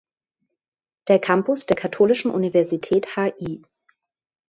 Der Campus der katholischen Universität Hl.